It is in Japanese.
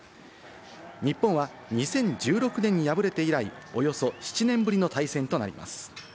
日本は２０１６年に敗れて以来、およそ７年ぶりの対戦となります。